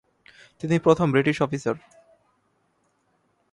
তিনি প্রথম British officer.